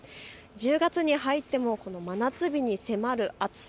１０月に入ってもこの真夏日に迫る暑さ。